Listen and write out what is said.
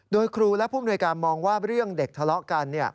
โดยครูและผู้มนวยการมองว่าเรื่องเด็กทะเลาะกัน